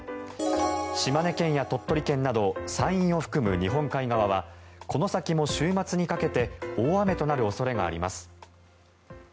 島根県や鳥取県など山陰を含む日本海側はこの先も週末にかけて大雨となる恐れがあります。